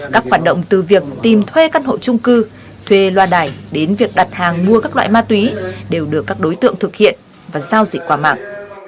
các hoạt động từ việc tìm thuê căn hộ trung cư thuê loa đài đến việc đặt hàng mua các loại ma túy đều được các đối tượng thực hiện và giao dịch qua mạng